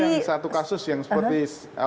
tapi ada yang satu kasus yang seperti